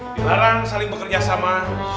dilarang saling bekerja sama